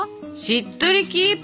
「しっとりキープ！！」。